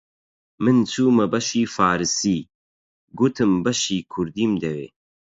من چوومە بەشی فارسی، گوتم بەشی کوردیم دەوێ